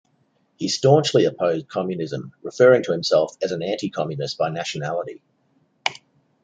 He staunchly opposed communism, referring to himself as an "anticommunist by nationality".